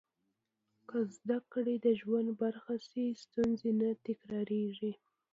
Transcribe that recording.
که زده کړه د ژوند برخه شي، ستونزې نه تکرارېږي.